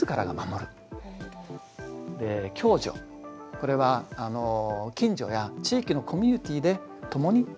これはあの近所や地域のコミュニティーで共に助け合う。